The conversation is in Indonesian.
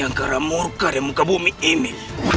angkara murka di muka bumi ini